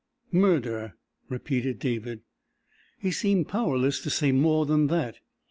"Murder " repeated David. He seemed powerless to say more than that.